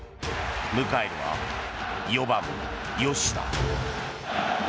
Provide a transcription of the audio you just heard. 迎えるは４番、吉田。